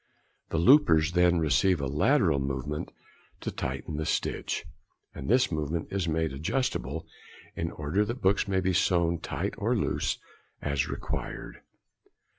The loopers then receive a lateral movement to tighten the stitch, and this movement is made adjustable, in order that books may be sewn tight or loose, as required.